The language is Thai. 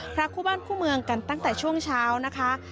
พระคู่บ้านคู่เมืองกันตั้งแต่ช่วงเช้านะคะ